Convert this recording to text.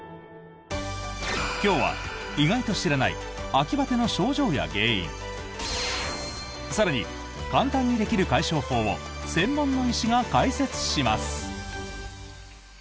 今日は、意外と知らない秋バテの症状や原因更に、簡単にできる解消法を専門の医師が解説します！